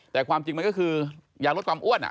แต่ความจริงมันก็คือยาลดความอ้วน